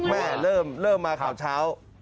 แม่เริ่มมาข่าวเช้า